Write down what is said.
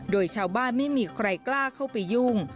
โดยชาวบ้านไม่มีใครกล้าเข้าไปยุ่ง